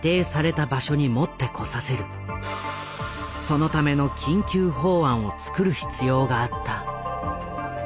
そのための緊急法案を作る必要があった。